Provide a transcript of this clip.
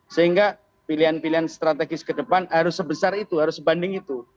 sehingga pilihan pilihan strategis ke depan harus sebesar itu harus sebanding itu